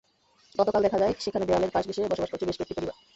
গতকাল দেখা যায়, সেখানে দেয়ালের পাশ ঘেঁষে বসবাস করছে বেশ কয়েকটি পরিবার।